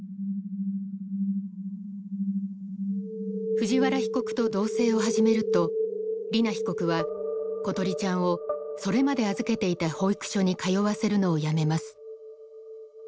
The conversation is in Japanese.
藤原被告と同棲を始めると莉菜被告は詩梨ちゃんをそれまで預けていた保育所に通わせるのをやめます。